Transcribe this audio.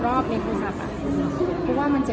รอบในการสับอย่างก่อนเพราะว่ามันจะ